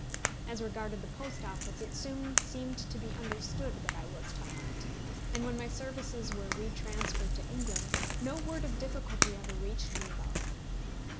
As regarded the Post Office, it soon seemed to be understood that I was to hunt; and when my services were re transferred to England, no word of difficulty ever reached me about it.